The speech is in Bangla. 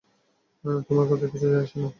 তোমার কথায় কিছু যায় আসে না।